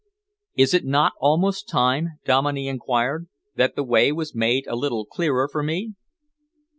"Is it not almost time," Dominey enquired, "that the way was made a little clearer for me?"